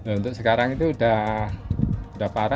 nah untuk sekarang itu sudah parah